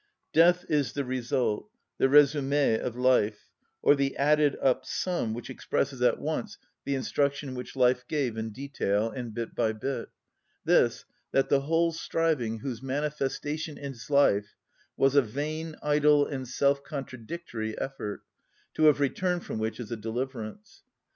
Death is the result, the Résumé of life, or the added up sum which expresses at once the instruction which life gave in detail, and bit by bit; this, that the whole striving whose manifestation is life was a vain, idle, and self‐ contradictory effort, to have returned from which is a deliverance.